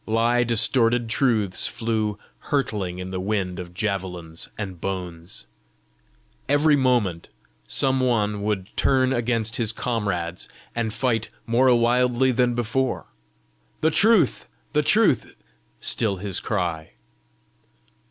Lie distorted truths flew hurtling in the wind of javelins and bones. Every moment some one would turn against his comrades, and fight more wildly than before, THE TRUTH! THE TRUTH! still his cry.